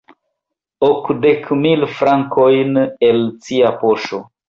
Okdek mil frankojn el cia poŝo!